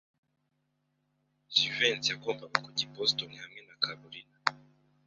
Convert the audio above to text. Jivency yagombaga kujya i Boston hamwe na Kalorina.